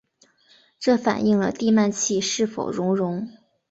这反映了地幔楔是否熔融。